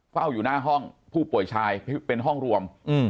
เฝ้าอยู่หน้าห้องผู้ป่วยชายเป็นห้องรวม